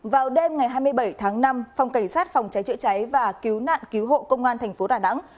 vào đêm ngày hai mươi bảy tháng năm phòng cảnh sát phòng cháy chữa cháy và cứu nạn cứu hộ công an thành phố đà nẵng